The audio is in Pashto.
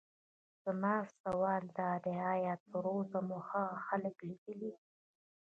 زما سوال دادی: ایا تراوسه مو هغه خلک لیدلي.